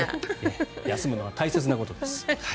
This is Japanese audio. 休むのは大切なことです。